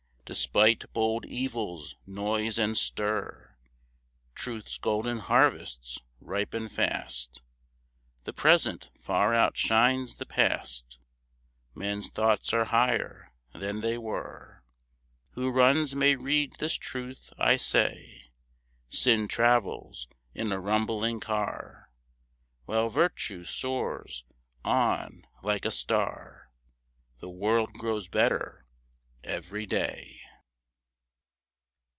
Despite bold evil's noise and stir, Truth's golden harvests ripen fast; The Present far outshines the Past; Men's thoughts are higher than they were. Who runs may read this truth, I say: Sin travels in a rumbling car, While Virtue soars on like a star The world grows better every day.